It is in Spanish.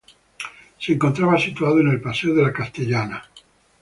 Se encontraba situado en el paseo de la Castellana.